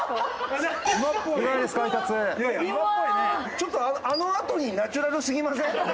ちょっとあのあとにナチュラルすぎません？